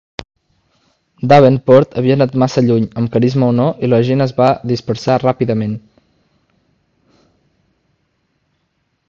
Davenport havia anat massa lluny, amb carisma o no, i la gent es va dispersar ràpidament.